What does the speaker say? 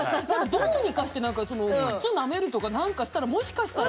どうにかして何か靴なめるとか何かしたらもしかしたら。